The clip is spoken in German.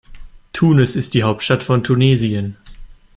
Tunis ist die Hauptstadt von Tunesien.